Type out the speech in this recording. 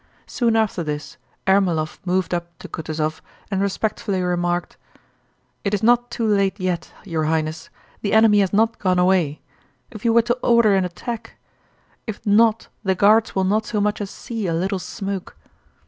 Soon after this, Ermólov moved up to Kutúzov and respectfully remarked: "It is not too late yet, your Highness—the enemy has not gone away—if you were to order an attack! If not, the Guards will not so much as see a little smoke."